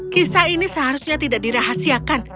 kisah ini seharusnya tidak dirahasiakan